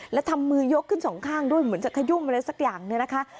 แล้วทำมือยกขึ้นสองข้างด้วยเหมือนจะขยุ่มอะไรสักอย่างเนี่ยนะคะ